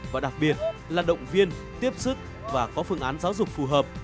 và đặc biệt là động viên tiếp sức và có phương án giáo dục phù hợp